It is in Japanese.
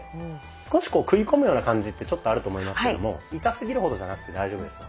少し食い込むような感じってちょっとあると思いますけども痛すぎるほどじゃなくて大丈夫です。